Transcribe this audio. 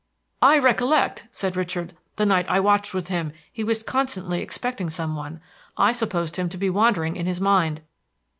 "I recollect," said Richard, "the night I watched with him he was constantly expecting some one. I supposed him to be wandering in his mind."